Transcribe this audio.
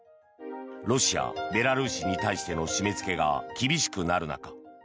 ロシア、ベラルーシに対しての締めつけが厳しくなる中